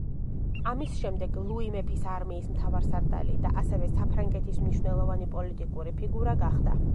ამის შემდეგ ლუი მეფის არმიის მთავარსარდალი და ასევე საფრანგეთის მნიშვნელოვანი პოლიტიკური ფიგურა გახდა.